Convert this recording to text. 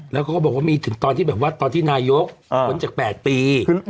แล้วก็บอกว่ามีถึงตอนที่แบบว่าตอนที่นายกพ้นจาก๘ปี